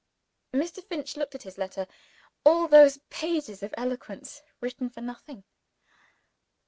Mr. Finch looked at his letter. All those pages of eloquence written for nothing?